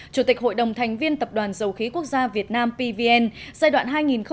chủ tịch hội đồng thành viên tập đoàn dầu khí quốc gia việt nam pvn giai đoạn hai nghìn chín hai nghìn một mươi một